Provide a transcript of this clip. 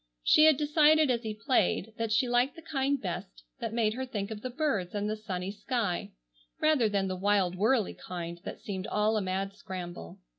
She had decided as he played that she liked the kind best that made her think of the birds and the sunny sky, rather than the wild whirlly kind that seemed all a mad scramble.